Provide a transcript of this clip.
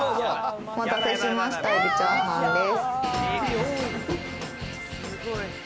お待たせしました、エビチャーハンです。